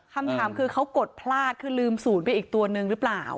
คำถามคือเขากดพลาดคือลืมศูนย์ไปอีกตัวนึงหรือเปล่า